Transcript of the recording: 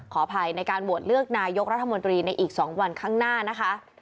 ขออภัยในการโหวตเลือกนายกรัฐมนตรีในอีก๒วันข้างหน้านะคะ